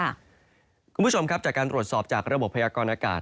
คุณผู้ชมครับจากการตรวจสอบจากระบบพยากรณากาศ